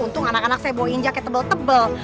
untung anak anak saya bawa jaket tebel tebel